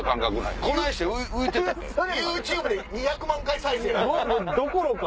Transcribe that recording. ＹｏｕＴｕｂｅで２００万回再生とか。